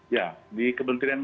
ya di kementerian